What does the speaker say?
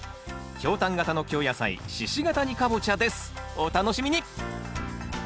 お楽しみに！